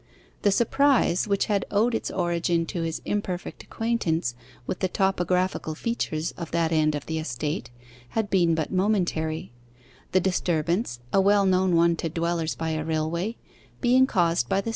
The surprise, which had owed its origin to his imperfect acquaintance with the topographical features of that end of the estate, had been but momentary; the disturbance, a well known one to dwellers by a railway, being caused by the 6.